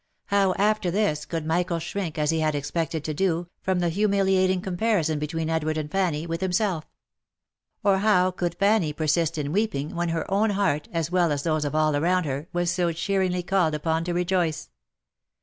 How, after this, could Michael shrink, as he had expected to do, from the humi liating comparison between Edward and Fanny, with himself? Or how could Fanny persist in weeping, when her own heart, as well as those of all around her, was so cheeringly called upon to rejoice?